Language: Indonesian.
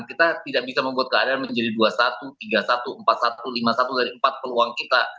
kita tidak bisa membuat keadaan menjadi dua puluh satu tiga satu empat puluh satu lima puluh satu dari empat peluang kita